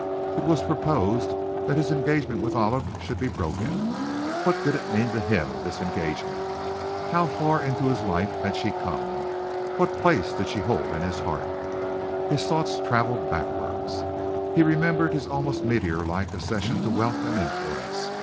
It was proposed that his engagement with Olive should be broken. What did it mean to him, this engagement? How far into his life had she come? What place did she hold in his heart? His thoughts travelled backwards. He remembered his almost meteor like accession to wealth and influence.